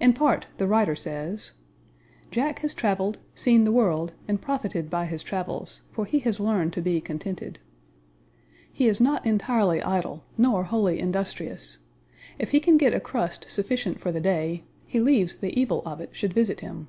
In part the writer says: Jack has traveled, seen the world, and profited by his travels; for he has learned to be contented. He is not entirely idle, nor wholly industrious. If he can get a crust sufficient for the day, he leaves the evil of it should visit him.